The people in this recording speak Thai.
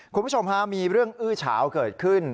คุณผู้ชมฮะมีเรื่องอื้อเฉาเกิดขึ้น